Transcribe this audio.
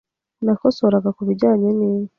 Nakosoraga ku bijyanye n’inka